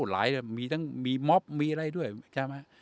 หลายนะมีตั้งมีมบมีอะไรด้วยใช่ไหมมันก็เลยแหละว่า